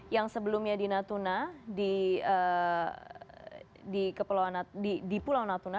yang sebelumnya di natuna di pulau natuna